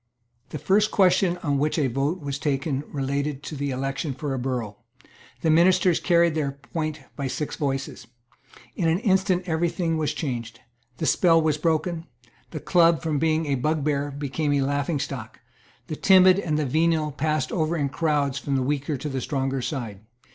The first question on which a vote was taken related to the election for a borough. The ministers carried their point by six voices, In an instant every thing was changed; the spell was broken; the Club, from being a bugbear, became a laughingstock; the timid and the venal passed over in crowds from the weaker to the stronger side.